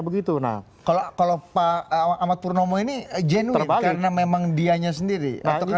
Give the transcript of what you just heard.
kalau pak ahmad purnomo ini jenuis karena memang dianya sendiri